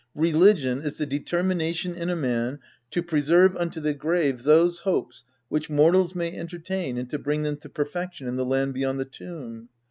Religion is the determination in a man to preserve unto the grave those hopes which mortals may entertain and to bring them to perfection in the land beyond the tomb.